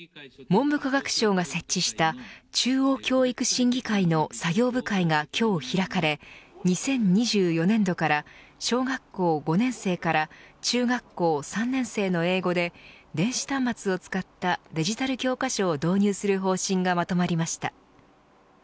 文部科学省が設置した中央教育審議会の作業部会が今日開かれ２０２４年度から小学校５年生から中学校３年生の英語で電子端末を使ったデジタル教科書を導入する方針がまとまりました。